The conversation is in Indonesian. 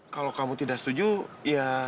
bajak kamu benar benar ya